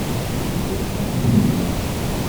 I tedduḍ sanda n kra?